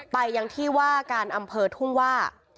ไปยังที่ว่าการอำเภอทุ่งว่า